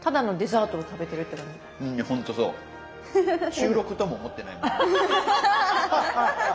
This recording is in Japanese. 収録とも思ってないもん。